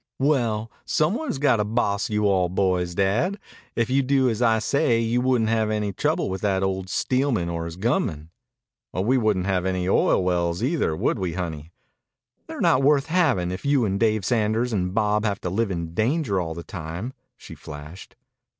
"Well, some one has got to boss you all boys, Dad. If you'd do as I say you wouldn't have any trouble with that old Steelman or his gunmen." "We wouldn't have any oil wells either, would we, honey?" "They're not worth having if you and Dave Sanders and Bob have to live in danger all the time," she flashed.